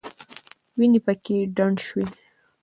وینې پکې ډنډ شوې.